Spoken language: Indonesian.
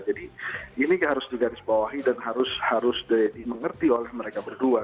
jadi ini harus digarisbawahi dan harus di mengerti oleh mereka berdua